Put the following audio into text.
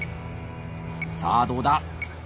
さあどうだ？